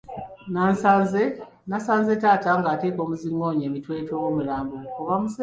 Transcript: Nasanze taata ateeka omuziŋoonyo emitwetwe w'omulambo oba musezi?